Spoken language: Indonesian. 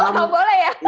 oh gak boleh ya